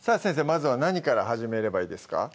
まずは何から始めればいいですか？